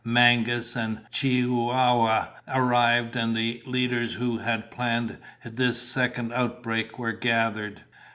Mangas and Chihuahua arrived, and the leaders who had planned this second outbreak were gathered.